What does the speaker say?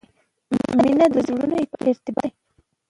• مینه د زړونو ارتباط دی.